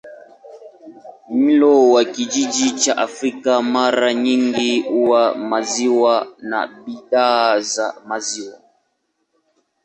Mlo wa kijiji cha Afrika mara nyingi huwa maziwa na bidhaa za maziwa.